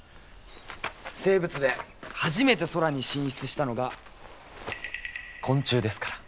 生物で初めて空に進出したのが昆虫ですから。